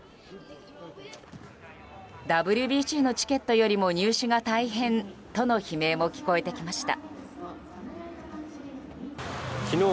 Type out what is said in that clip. ＷＢＣのチケットよりも入手が大変との悲鳴も聞こえてきました。